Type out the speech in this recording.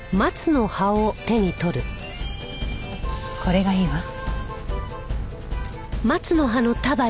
これがいいわ。